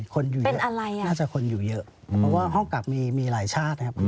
คนอยู่อยู่เยอะมีกับถุกลุ่มในหลายชาติ